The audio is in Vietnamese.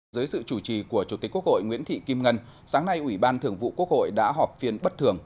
dưới sự chủ trì của chủ tịch quốc hội nguyễn thị kim ngân sáng nay ủy ban thường vụ quốc hội đã họp phiên bất thường